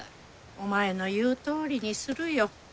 お前の言うとおりにするよ。